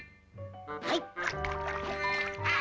はい。